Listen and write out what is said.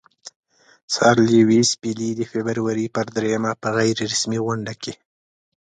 سر لیویس پیلي د فبرورۍ پر دریمه په غیر رسمي غونډه کې.